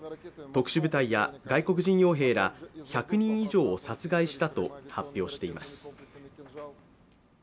特殊部隊や外国人よう兵ら１００人以上を殺害したと発表しています。